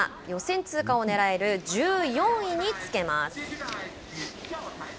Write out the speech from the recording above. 予選通過をねらえる１４位につけます。